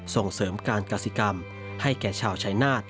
ส่งเสริมการกสิกรรมให้แก่ชาวชายนาฏ